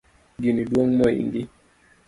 Gini duong mohingi